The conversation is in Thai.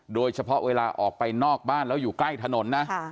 เวลาออกไปนอกบ้านแล้วอยู่ใกล้ถนนนะ